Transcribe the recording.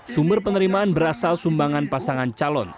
sumber penerimaan berasal sumbangan pasangan calon